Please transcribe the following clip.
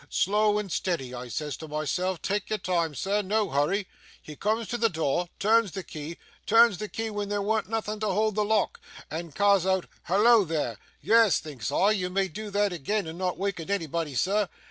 "Slow and steddy," I says to myself, "tak' your time, sir no hurry." He cooms to the door, turns the key turns the key when there warn't nothing to hoold the lock and ca's oot "Hallo, there!" "Yes," thinks I, "you may do thot agean, and not wakken anybody, sir."